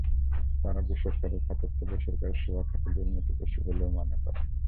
তাঁরা বেসরকারি খাতের চেয়ে সরকারি সেবা খাতে দুর্নীতি বেশি বলেও মনে করেন।